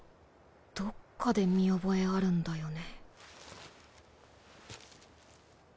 どっかで見覚えあるんだよね。